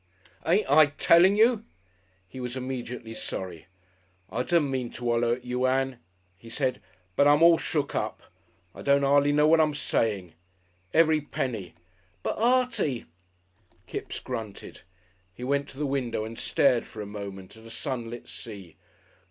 "Ain't I tellin' you?" He was immediately sorry. "I didn't mean to 'oller at you, Ann," he said, "but I'm all shook up. I don't 'ardly know what I'm sayin'. Ev'ry penny."... "But, Artie " Kipps grunted. He went to the window and stared for a moment at a sunlit sea.